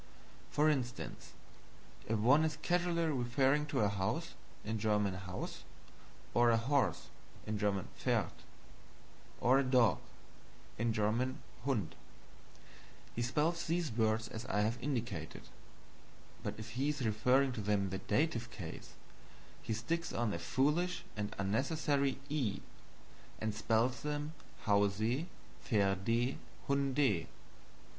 For instance, if one is casually referring to a house, HAUS, or a horse, PFERD, or a dog, HUND, he spells these words as I have indicated; but if he is referring to them in the Dative case, he sticks on a foolish and unnecessary E and spells them HAUSE, PFERDE, HUNDE.